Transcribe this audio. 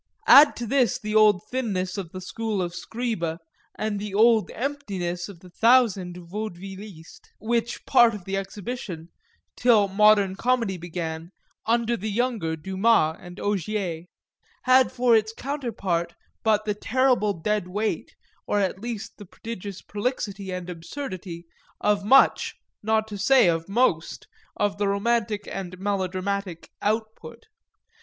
Add to this the old thinness of the school of Scribe and the old emptiness of the thousand vaudevillistes; which part of the exhibition, till modern comedy began, under the younger Dumas and Augier, had for its counterpart but the terrible dead weight, or at least the prodigious prolixity and absurdity, of much, not to say of most, of the romantic and melodramatic "output."